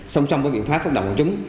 xong xong với biện pháp phát động của chúng